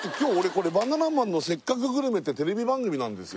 これ「バナナマンのせっかくグルメ！！」ってテレビ番組です